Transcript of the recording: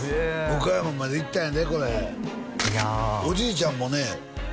岡山まで行ったんやでこれいやおじいちゃんもね